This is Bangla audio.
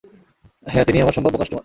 হ্যাঁ, তিনি আমার সম্ভাব্য কাস্টমার।